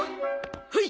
はい。